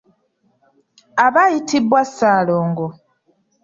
Aba ayitibwa Ssaalongo.